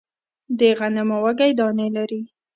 د غنمو وږی دانې لري